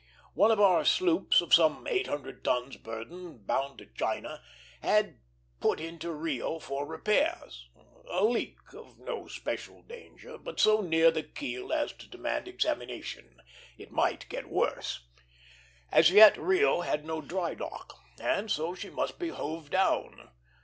One of our sloops, of some eight hundred tons' burden, bound to China, had put into Rio for repairs: a leak of no special danger, but so near the keel as to demand examination. It might get worse. As yet Rio had no dry dock, and so she must be hove down.